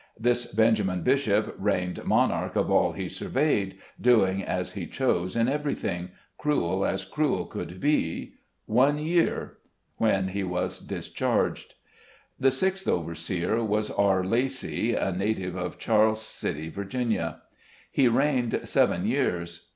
This Benj. Bishop reigned "monarch of all he surveyed" (doing as he chose in everything — cruel as cruel could be ) one year, when he was discharged. The sixth overseer was R. Lacy, a native of Charles City, Va. He reigned seven years.